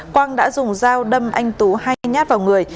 quang đã dùng dao đâm anh tú hai nhát vào người